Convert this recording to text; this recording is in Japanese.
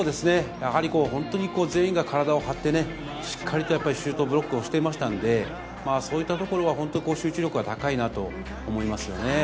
やはり本当に全員が体を張ってね、しっかりとやっぱりシュートブロックをしてましたんでね、そういったところは本当、集中力は高いなと思いましたよね。